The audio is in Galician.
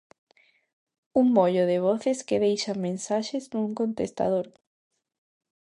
Un mollo de voces que deixan mensaxes nun contestador.